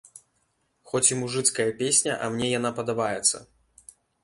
Хоць і мужыцкая песня, а мне яна падабаецца.